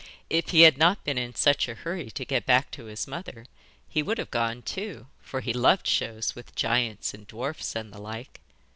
If he had not been in such a hurry to get back to his mother, he would have gone too, for he loved shows with giants and dwarfs and the like.